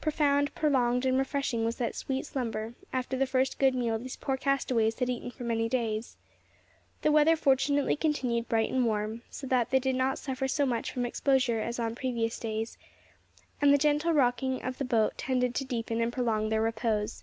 Profound, prolonged, and refreshing was that sweet slumber, after the first good meal these poor castaways had eaten for many days. The weather fortunately continued bright and warm, so that they did not suffer so much from exposure as on previous days, and the gentle rocking of the boat tended to deepen and prolong their repose.